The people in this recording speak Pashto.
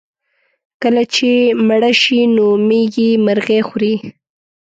کله چې مړه شي نو مېږي مرغۍ خوري.